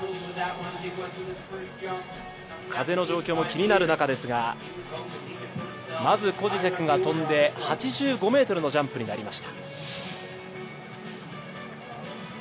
風の状況も気になる中ですが、まずコジセクが飛んで８５ｍのジャンプになりました。